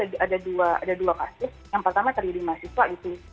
itu ada dua kasus yang pertama terjadi mahasiswa gitu